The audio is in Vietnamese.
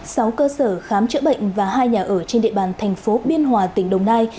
sáu cơ sở khám chữa bệnh và hai nhà ở trên địa bàn thành phố biên hòa tỉnh đồng nai